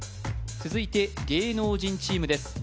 続いて芸能人チームです